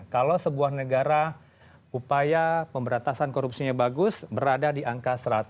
kalau sebuah negara upaya pemberantasan korupsinya bagus berada di angka seratus